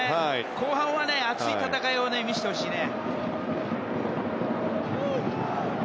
後半は熱い戦いを見せてほしいね。